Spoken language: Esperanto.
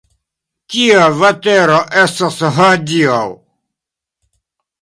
Kia vetero estas hodiaŭ?